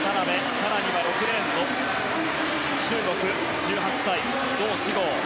更には６レーン、中国１８歳のドウ・シゴウ。